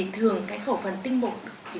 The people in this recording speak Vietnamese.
thường khẩu phần tinh bụng được tập luyện